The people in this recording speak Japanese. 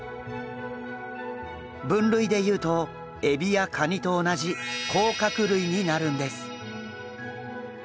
分類でいうとエビやカニと同じ甲殻類になるんです。